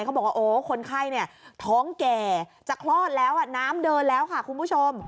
เขาบอกว่าโอ้คนไข้เนี่ยท้องแก่จะคลอดแล้วน้ำเดินแล้วค่ะคุณผู้ชม